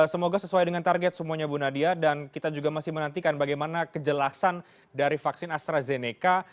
semoga sesuai dengan target semuanya bu nadia dan kita juga masih menantikan bagaimana kejelasan dari vaksin astrazeneca